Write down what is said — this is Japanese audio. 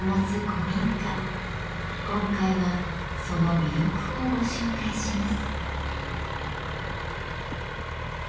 今回はその魅力をご紹介します。